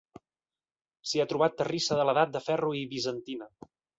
S'hi ha trobat terrissa de l'Edat de Ferro i bizantina.